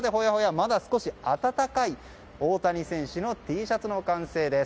まだ少し温かい大谷選手のＴシャツの完成です。